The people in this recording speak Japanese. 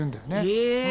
へえ。